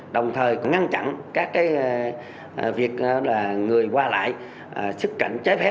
đồng thời ngăn chặn các cái việc là người qua lại xuất cảnh trái phép